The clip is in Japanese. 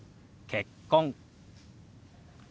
「結婚」。